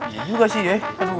ya juga sih ya